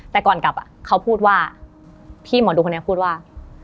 แต่ก่อนกลับเขาพูดว่าพี่หมอดูคนนี้พูดว่า